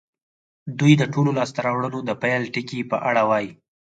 دوی د ټولو لاسته راوړنو د پيل ټکي په اړه وايي.